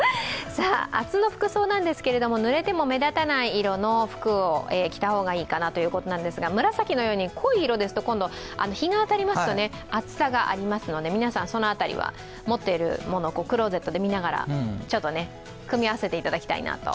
明日の服装なんですけれども、ぬれても目立たない色の服を着た方がいいかなということなんですけれども、紫のように濃い色ですと、今度は日が当たりますとあつさがありますので、皆さん、その辺りは持っているものをクローゼットで見ながら組み合わせていただきたいと。